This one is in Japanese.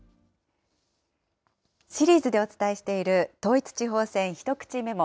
シリーズでお伝えしている、統一地方選ひとくちメモ。